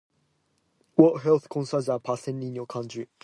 What health concerns are present in your country?